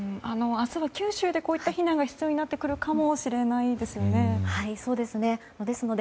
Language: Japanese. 明日は九州でこういった避難が必要になってくるかもしれないですよね。